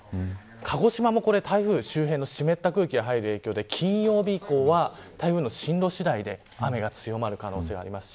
鹿児島も台風周辺の湿った空気が入る影響で金曜日以降は台風の進路次第で雨が強まる可能性があります。